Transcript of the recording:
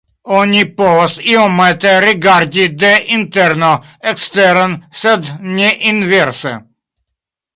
Oni povas iomete rigardi de interno eksteren sed ne inverse.